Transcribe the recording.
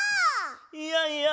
いやいや。